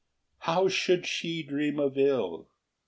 XXXII. How should she dream of ill?